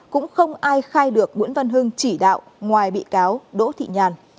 cũng không ai khai được nguyễn văn hưng chỉ đạo ngoài bị cáo đỗ thị nhàn